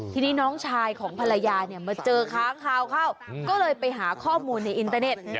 ทีนี้น้องชายของภรรยาเนี่ยมาเจอค้างคาวเข้าก็เลยไปหาข้อมูลในอินเตอร์เน็ต